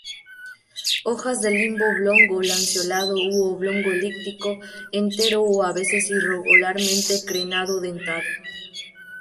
Hojas de limbo oblongo-lanceolado u oblongo-elíptico, entero o a veces irregularmente crenado o dentado.